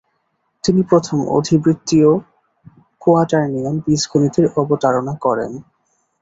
তিনি প্রথম অধিবৃত্তীয় কোয়াটার্নিয়ন বীজগণিতের অবতারণা করেন।